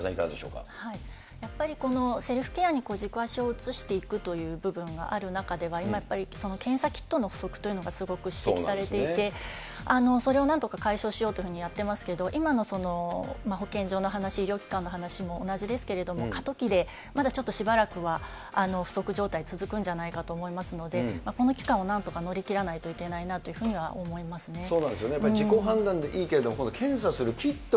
やっぱり、セルフケアに軸足を移していくという期間にある中でやっぱり、検査キットの不足というのが、すごく指摘されていて、それをなんとか解消しようというふうにやっていますけれども、今の保健所の話、医療機関の話も同じですけれども、過渡期で、まだちょっとしばらくは、不足状態続くんじゃないかと思いますので、この期間をなんとか乗り切らないといけないなというふうには思いますね。